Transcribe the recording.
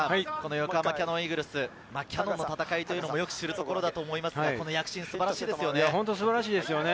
横浜キヤノンイーグルス、キヤノンの戦いもよく知るところだと思いますが、この躍進は素晴らしいですよね。